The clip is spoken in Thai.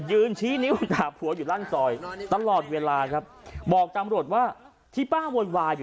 ยืนชี้นิ้วด่าผัวอยู่ลั่นซอยตลอดเวลาครับบอกตำรวจว่าที่ป้าโวยวายอยู่